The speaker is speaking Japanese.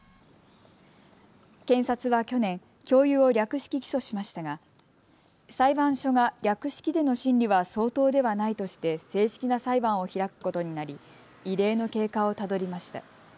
検察は去年、教諭を略式起訴しましたが裁判所が略式での審理は相当ではないとして正式な裁判を開くことになり異例の経過をたどりました。